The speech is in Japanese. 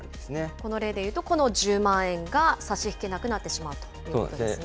この例でいうと、この１０万円が差し引けなくなってしまうとそうなんですね。